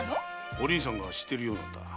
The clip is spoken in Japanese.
お凛さんが知ってるようだが。